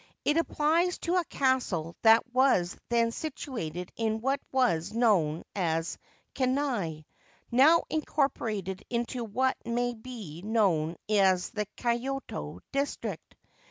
It applies to a castle that was then situated in what was known as Kinai, now incorporated into what may be known as the Kyoto district.